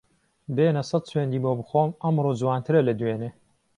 بێنە سەد سوێندی بۆ بخۆم ئەمڕۆ جوانترە لە دوێنێ